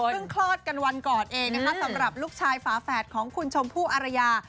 ซึ่งคลอดกันวันก่อนเองนะคะสำหรับลูกชายฝาแฝดของคุณชมพู่อารยา